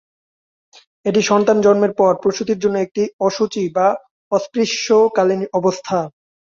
এটি সন্তান জন্মের পর প্রসূতির জন্য একটি অশুচি বা অস্পৃশ্যকালীন অবস্থা।